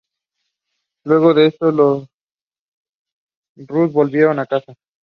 Luego de esto, los rus volvieron a casa.